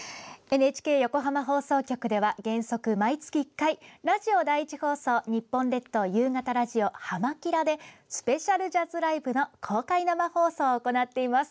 ＮＨＫ横浜放送局では原則毎月１回、ラジオ第１放送「にっぽん列島夕方ラジオ」「はま☆キラ！」でスペシャルジャズライブの公開生放送を行っています。